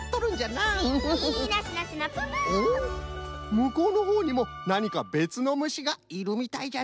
むこうのほうにもなにかべつのむしがいるみたいじゃぞ。